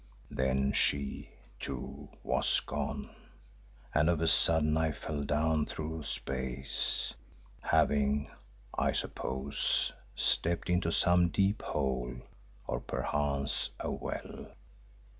Then she, too, was gone and of a sudden I fell down through space, having, I suppose, stepped into some deep hole, or perchance a well.